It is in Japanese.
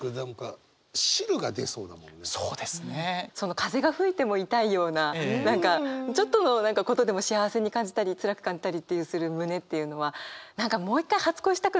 風が吹いても痛いような何かちょっとのことでも幸せに感じたりつらく感じたりする胸っていうのは何かもう一回初恋したくなりますね。